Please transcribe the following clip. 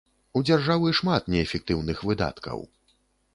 У дзяржавы шмат неэфектыўных выдаткаў.